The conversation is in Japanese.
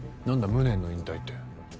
無念の引退って。